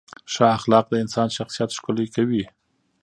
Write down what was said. ښه اخلاق د انسان شخصیت ښکلي کوي.